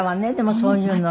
そういうのって。